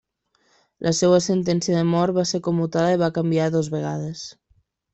La seva sentència de mort va ser commutada i va canviar dues vegades.